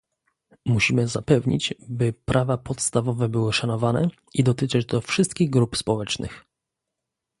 Musimy zapewnić, by prawa podstawowe były szanowane i dotyczy to wszystkich grup społecznych